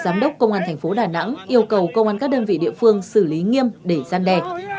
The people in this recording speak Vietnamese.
giám đốc công an thành phố đà nẵng yêu cầu công an các đơn vị địa phương xử lý nghiêm để gian đe